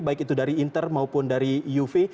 baik itu dari inter maupun dari uv